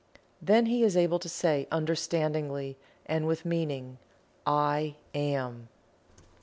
Then he is able to say understandingly and with meaning "I AM."